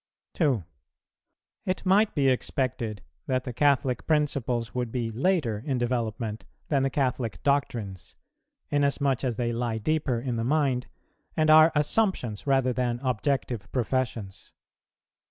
It might be expected that the Catholic principles would be later in development than the Catholic doctrines, inasmuch as they lie deeper in the mind, and are assumptions rather than objective professions.